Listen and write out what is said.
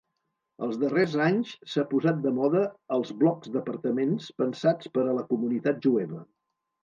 Els darrers anys s'han posat de moda els blocs d'apartaments pensats per a la comunitat jueva.